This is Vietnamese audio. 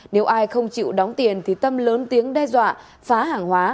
nếu ai không chịu đóng tiền thì tâm lớn tiếng đe dọa phá hàng hóa